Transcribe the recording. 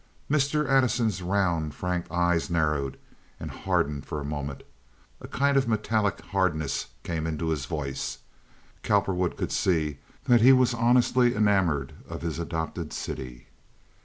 Mr. Addison's round, frank eyes narrowed and hardened for a moment. A kind of metallic hardness came into his voice. Cowperwood could see that he was honestly enamoured of his adopted city.